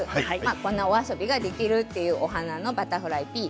こんなお遊びができるというお花のバタフライピー。